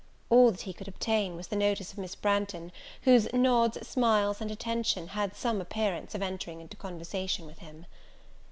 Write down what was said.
All that he could obtain, was the notice of Miss Branghton, whose nods, smiles, and attention, had some appearance of entering into conversation with him.